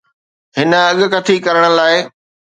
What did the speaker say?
هن اڳڪٿي ڪرڻ لاء